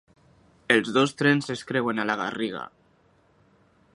Els dos trens es creuen a la Garriga.